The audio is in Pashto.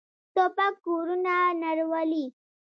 توپک کورونه نړولي.